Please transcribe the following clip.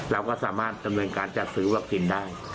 เราก็สามารถจำนวนการจัดสืบวัคคินได้